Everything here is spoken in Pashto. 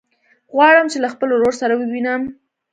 غواړم چې له خپل ورور سره ووينم.